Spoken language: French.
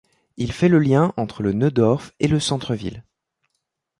Il fait le lien entre le Neudorf et le centre-ville.